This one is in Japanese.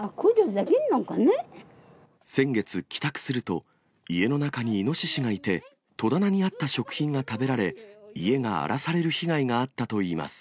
先月、帰宅すると、家の中にイノシシがいて、戸棚にあった食品が食べられ、家が荒らされる被害があったといいます。